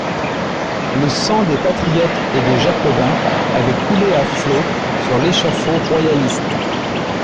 Le sang des patriotes et des Jacobins avait coulé à flots sur l'échafaud royaliste.